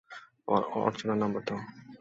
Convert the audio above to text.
অর্চনার number দাও।